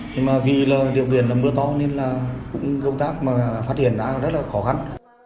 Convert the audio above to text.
nhưng mà vì là điều kiện là mưa to nên là cũng công tác mà phát hiện ra rất là khó khăn